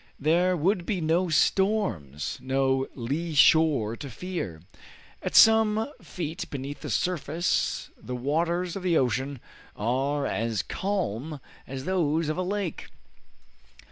There would be no storms, no lee shore to fear. At some feet beneath the surface the waters of the ocean are as calm as those of a lake."